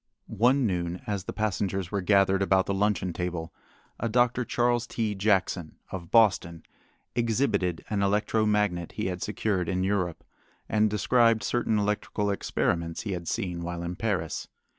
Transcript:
One noon as the passengers were gathered about the luncheon table, a Dr. Charles T. Jackson, of Boston, exhibited an electro magnet he had secured in Europe, and described certain electrical experiments he had seen while in Paris.